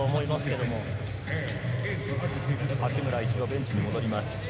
八村は、一度ベンチに戻ります。